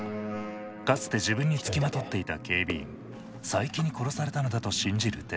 かつて自分につきまとっていた警備員佐伯に殺されたのだと信じる徹生。